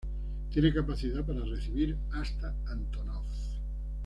Tiene capacidad para recibir hasta Antonov.